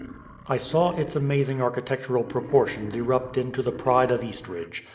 I saw its amazing architectural proportions erupt into the pride of Eastridge.